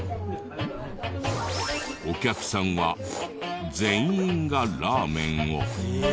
お客さんは全員がラーメンを。